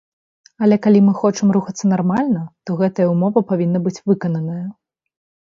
Але калі мы хочам рухацца нармальна, то гэтая ўмова павінна быць выкананая.